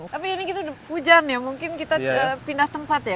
tapi ini kita hujan ya mungkin kita pindah tempat ya